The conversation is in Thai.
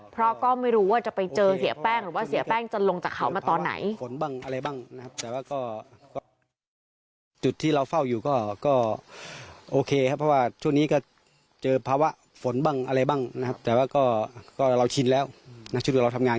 เพราะก็ไม่รู้ว่าจะไปเจอเสียแป้ง